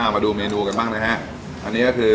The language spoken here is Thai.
มาดูเมนูกันบ้างนะครับ